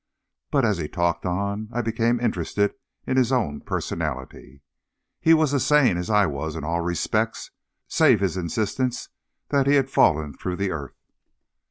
But as he talked on, I became interested in his own personality. He was as sane as I was in all respects, save his insistence that he had fallen through the earth.